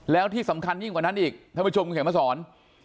แล้วที่สำคัญยิ่งกว่านั้นอีกท่านผู้ชมคุณเขียนมาสอน